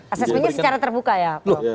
asesmennya secara terbuka ya